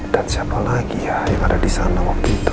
dan siapa lagi yang ada di sana waktu itu